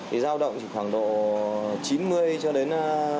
thì giao động khoảng độ chín mươi cho đến hai trăm linh nghìn một mét